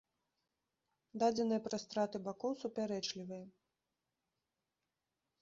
Дадзеныя пра страты бакоў супярэчлівыя.